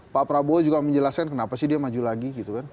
pak prabowo juga menjelaskan kenapa sih dia maju lagi